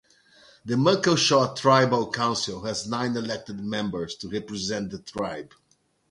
The Muckleshoot Tribal Council has nine elected members to represent the tribe.